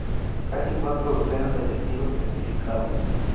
Casi cuatro docenas de testigos testificaron.